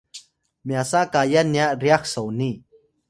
myasa kayan nya ryax soni